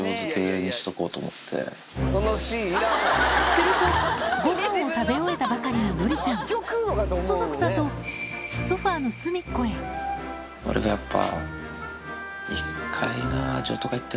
するとご飯を食べ終えたばかりののりちゃんそそくさとソファののりがやっぱ。